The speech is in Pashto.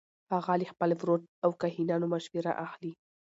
هغه له خپل ورور او کاهنانو مشوره اخلي.